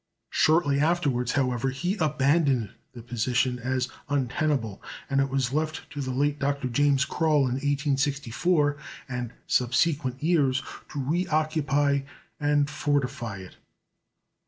Shortly afterwards, however, he abandoned the position as untenable; and it was left to the late Dr. James Croll, in 1864 and subsequent years, to reoccupy and fortify it.